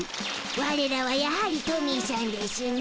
ワレらはやはりトミーさんでしゅな。